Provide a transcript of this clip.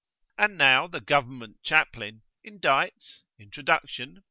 And now the "Government Chaplain" indites (Introduction, p.